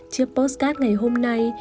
trước postcard ngày hôm nay